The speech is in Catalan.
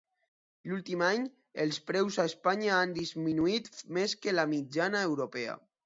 L'últim any els preus a Espanya han disminuït més que la mitjana europea.